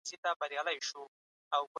په کتابتون کي ډېر ګټور کتابونه سته دي.